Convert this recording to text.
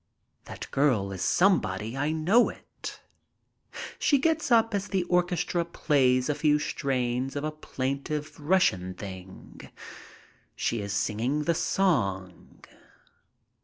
That girl is some body. I know it. She gets up as the orchestra plays a few strains of a plain tive Russian thing. She is singing the song.